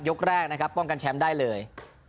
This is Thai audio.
ยกแรกนะครับป้องกันแชมป์ได้เลย